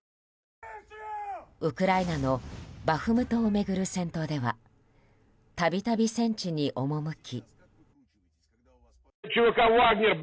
ウクライナのバフムトを巡る戦闘では、度々戦地に赴き。